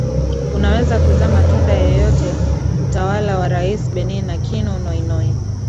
unaweza kuzaa matunda yeyote utawala wa rais benin akinu noinoi